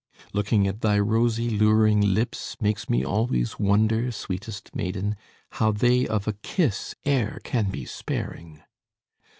Looking at thy rosy luring lips Makes me always wonder, sweetest maiden, How they of a kiss e'er can be sparing!